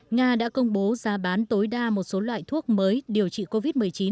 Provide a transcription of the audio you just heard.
nga đã công bố giá bán tối đa một số loại thuốc mới điều trị covid một mươi chín